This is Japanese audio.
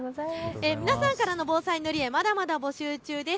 皆さんからの防災塗り絵、まだまだ募集中です。